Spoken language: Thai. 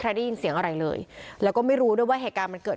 ได้ยินเสียงอะไรเลยแล้วก็ไม่รู้ด้วยว่าเหตุการณ์มันเกิด